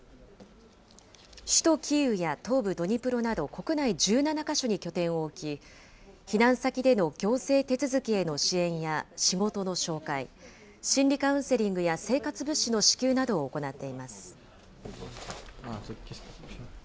首都キーウや東部ドニプロなど、国内１７か所に拠点を置き、避難先での行政手続きへの支援や仕事の紹介、心理カウンセリングや生活物資の支給などを行っています。